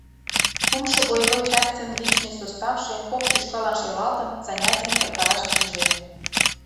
Кумшо боевой частьын личный составше, кок тӱшкалан шелалтын, занятийым эртараш пиже.